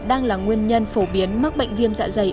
đang là nguyên nhân phổ biến mắc bệnh viêm dạ dày